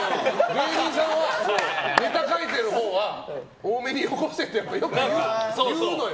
芸人さんはネタ書いてるほうは多めによこせってよく言うのよ。